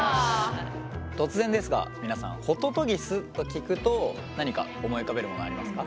突然ですが皆さん「ホトトギス」と聞くと何か思い浮かべるものありますか？